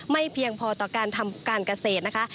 ไม่เพียงพอต่อการทำการเกษตร